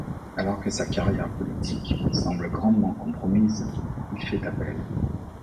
Alors que sa carrière politique semble grandement compromise, il fait appel.